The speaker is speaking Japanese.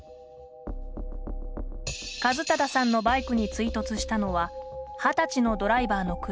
一匡さんのバイクに追突したのは二十歳のドライバーの車。